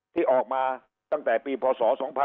ที่ออกมาตั้งแต่ปีพศ๒๕๖๒